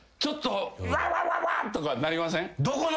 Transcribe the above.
わわわ！とかなりません？